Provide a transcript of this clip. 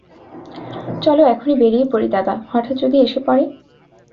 চলো এখনি বেরিয়ে পড়ি দাদা, হঠাৎ যদি এসে পড়ে?